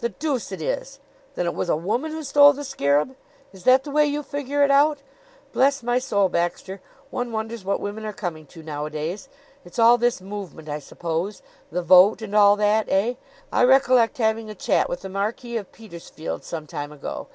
"The deuce it is! Then it was a woman who stole the scarab? Is that the way you figure it out? Bless my soul, Baxter, one wonders what women are coming to nowadays. It's all this movement, I suppose. The Vote, and all that eh? I recollect having a chat with the Marquis of Petersfield some time ago.